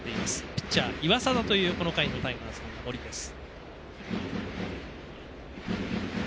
ピッチャー、岩貞というこの回のタイガースの守りです。